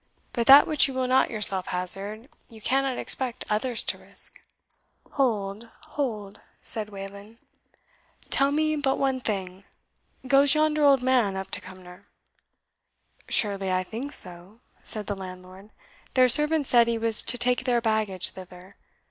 But that which you will not yourself hazard, you cannot expect others to risk." "Hold, hold," said Wayland; "tell me but one thing goes yonder old man up to Cumnor?" "Surely, I think so?" said the landlord; "their servant said he was to take their baggage thither.